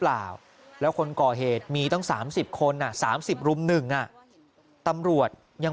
เปล่าแล้วคนก่อเหตุมีตั้ง๓๐คน๓๐รุม๑ตำรวจยัง